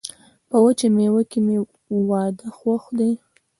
په وچه میوه کي مي واده خوښ ده.